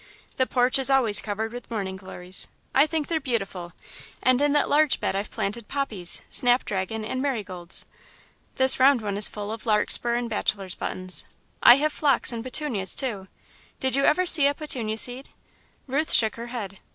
The porch is always covered with morning glories I think they're beautiful and in that large bed I've planted poppies, snap dragon, and marigolds. This round one is full of larkspur and bachelor's buttons. I have phlox and petunias, too did you ever see a petunia seed?" Ruth shook her head.